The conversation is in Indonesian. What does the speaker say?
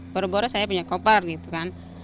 baru baru saya punya koper gitu kan